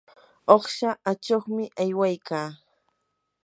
uqsha achuqmi aywaykaa.